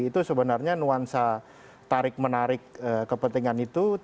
itu sebenarnya nuansa tarik menarik kepentingan itu